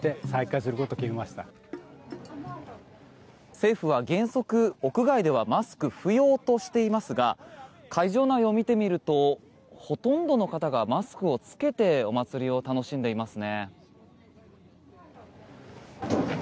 政府は原則、屋外ではマスク不要としていますが会場内を見てみるとほとんどの方がマスクを着けてお祭りを楽しんでいますね。